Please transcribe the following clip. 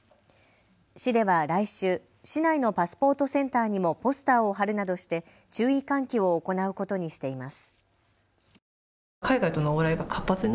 市では来週、市内のパスポートセンターにもポスターを貼るなどして注意喚起を行うことにしています。